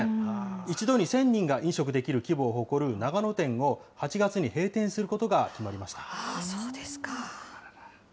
一度に１０００人が飲食できる規模を誇る長野店を、８月に閉店することが決まりました。